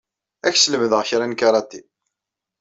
Ad k-sslemdeɣ kra n karati.